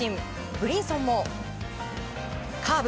ブリンソンもカーブ。